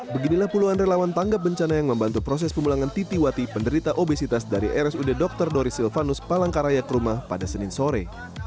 beginilah puluhan relawan tanggap bencana yang membantu proses pemulangan titi wati penderita obesitas dari rsud dr doris silvanus palangkaraya ke rumah pada senin sore